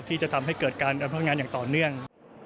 ที่จะทำให้เกิดการทำงานอย่างต่อเนื่อง